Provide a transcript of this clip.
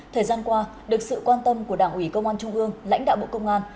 thời gian qua được sự quan tâm của đảng ủy công an trung ương lãnh đạo bộ công an